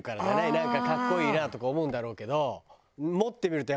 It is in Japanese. なんか格好いいなとか思うんだろうけど。